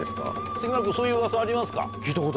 杉村君そういううわさありますか？